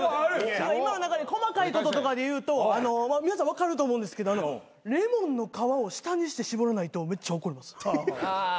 今の細かいこととかでいうと皆さん分かると思うんですけどレモンの皮を下にして搾らないとめっちゃ怒ります。